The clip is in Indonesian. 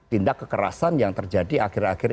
tindak kekerasan yang terjadi akhir akhir